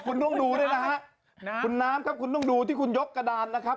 คุณนามครับคุณหนามครับคุณต้องดูที่คุณยกกระดานนะครับ